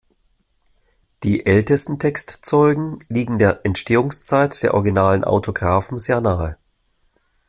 Die ältesten Textzeugen liegen der Entstehungszeit der originalen Autographen sehr nahe.